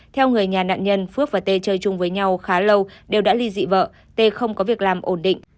theo người nhà nạn nhân phước và tê chơi chung với nhau khá lâu đều đã ly dị vợ tê không có việc làm ổn định